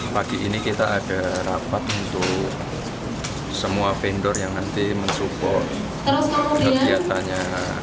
pagi ini kita ada rapat untuk semua vendor yang nanti mensupport kegiatannya